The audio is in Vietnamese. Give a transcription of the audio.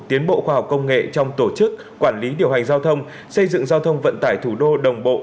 tiến bộ khoa học công nghệ trong tổ chức quản lý điều hành giao thông xây dựng giao thông vận tải thủ đô đồng bộ